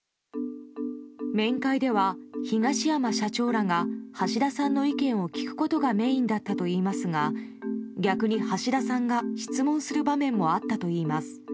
面会では、東山社長らが橋田さんの意見を聞くことがメインだったといいますが、逆に橋田さんが質問する場面もあったといいます。